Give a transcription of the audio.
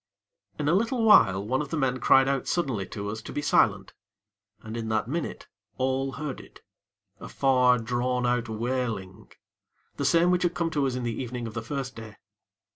In a little while, one of the men cried out suddenly to us to be silent, and, in that minute, all heard it a far, drawn out wailing; the same which had come to us in the evening of the first day.